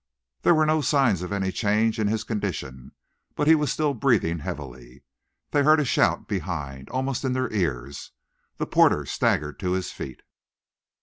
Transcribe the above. There were no signs of any change in his condition, but he was still breathing heavily. Then they heard a shout behind, almost in their ears. The porter staggered to his feet.